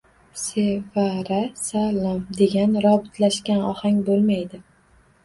«Se-va-ra, sa-lom» degan robotlashgan ohang boʻlmaydi.